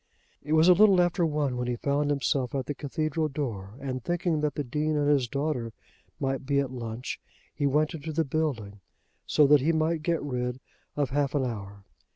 It was a little after one when he found himself at the cathedral door, and thinking that the Dean and his daughter might be at lunch, he went into the building, so that he might get rid of half an hour.